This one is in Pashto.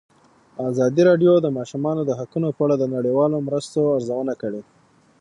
ازادي راډیو د د ماشومانو حقونه په اړه د نړیوالو مرستو ارزونه کړې.